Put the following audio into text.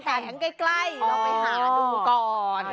แหงใกล้เราไปหาดูก่อน